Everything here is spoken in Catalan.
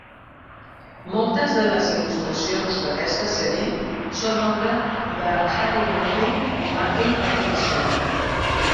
Moltes de les il·lustracions d'aquesta sèrie són obra de Harry Wingfield i Martin Aitchison.